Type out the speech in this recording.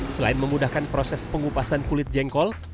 selain memudahkan proses pengupasan kulit jengkol